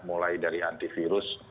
mulai dari antivirus